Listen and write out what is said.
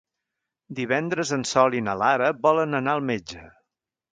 Divendres en Sol i na Lara volen anar al metge.